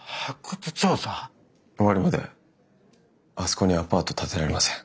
終わるまであそこにアパート建てられません。